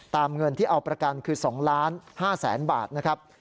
เงินที่เอาประกันคือ๒๕๐๐๐๐บาทนะครับ